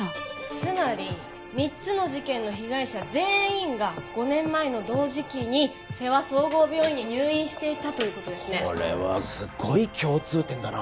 つまり３つの事件の被害者全員が５年前の同時期に勢羽総合病院に入院していたこれはすごい共通点だな